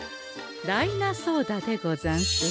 ダイナソーダでござんす。